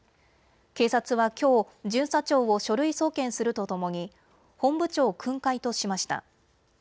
警察はきょう、巡査長を書類送検するとともに本部長訓戒としました。